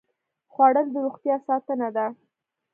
خوړل د روغتیا ساتنه ده